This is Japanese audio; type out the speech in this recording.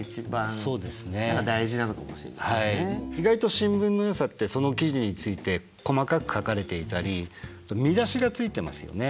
意外と新聞のよさってその記事について細かく書かれていたり見出しがついてますよね。